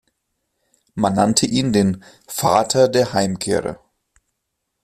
Man nannte ihn den „Vater der Heimkehrer“.